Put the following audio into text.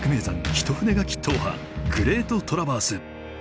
一筆書き踏破「グレートトラバース」。